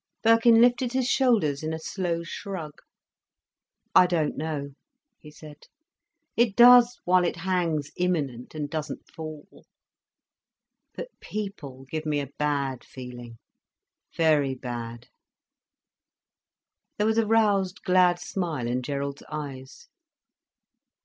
Birkin lifted his shoulders in a slow shrug. "I don't know," he said. "It does while it hangs imminent and doesn't fall. But people give me a bad feeling—very bad." There was a roused glad smile in Gerald's eyes.